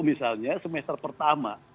misalnya semester pertama